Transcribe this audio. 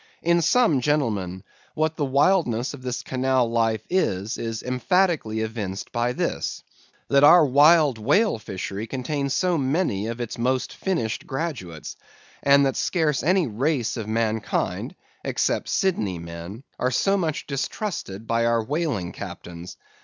In sum, gentlemen, what the wildness of this canal life is, is emphatically evinced by this; that our wild whale fishery contains so many of its most finished graduates, and that scarce any race of mankind, except Sydney men, are so much distrusted by our whaling captains.